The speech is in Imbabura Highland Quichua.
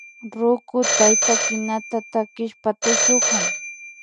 Ruku tayta kinata takishpa tushukun